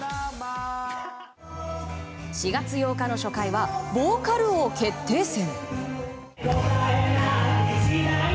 ４月８日の初回はボーカル王決定戦。